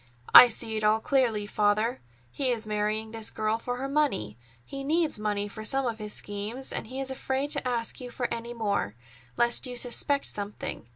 "I see it all clearly, Father. He is marrying this girl for her money. He needs money for some of his schemes, and he is afraid to ask you for any more, lest you suspect something.